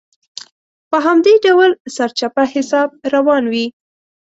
په همدې ډول سرچپه حساب روان وي.